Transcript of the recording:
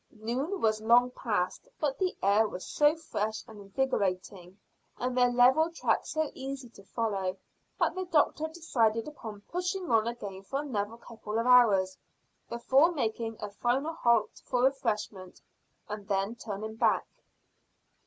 Noon was long past, but the air was so fresh and invigorating and their level track so easy to follow, that the doctor decided upon pushing on again for another couple of hours, before making a final halt for refreshment, and then turning back.